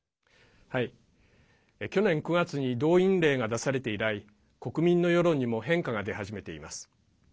去年９月に動員令が出されて以来国民の世論にも変化が出始めています。